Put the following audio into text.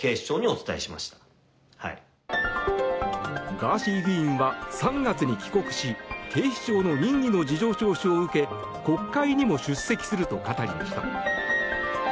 ガーシー議員は３月に帰国し警視庁の任意の事情聴取を受け国会にも出席すると語りました。